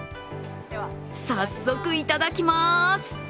早速、いただきまーす。